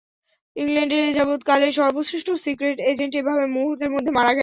ইংল্যান্ডের এ যাবত-কালের সর্বশ্রেষ্ঠ সিক্রেট এজেন্ট, এভাবে মুহূর্তের মধ্যে মারা গেল।